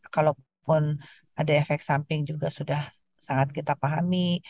kalaupun ada efek samping juga sudah sangat kita pahami